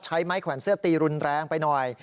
ใช้ไม้แขวนเสื้อตีรุนแรงไปหน่อย